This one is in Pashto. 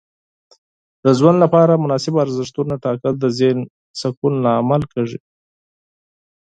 د ژوند لپاره مناسب ارزښتونه ټاکل د ذهن سکون لامل کیږي.